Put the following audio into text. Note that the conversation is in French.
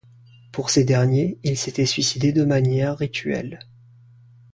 Pour ces derniers, il s'était suicidé de manière rituelle.